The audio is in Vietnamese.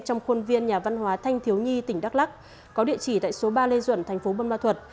trong khuôn viên nhà văn hóa thanh thiếu nhi tỉnh đắk lắc có địa chỉ tại số ba lê duẩn tp buôn ma thuật